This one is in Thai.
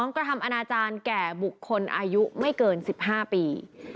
กระทำอนาจารย์แก่บุคคลอายุไม่เกิน๑๕ปี